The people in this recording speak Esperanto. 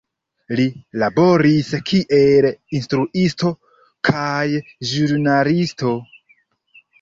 Li laboris kiel instruisto kaj ĵurnalisto.